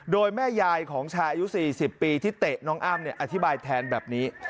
โดยแม่ยายของชายอายุ๔๐ปีที่เตะน้องอ้ำอธิบายแทนแบบนี้